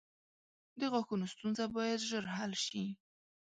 • د غاښونو ستونزه باید ژر حل شي.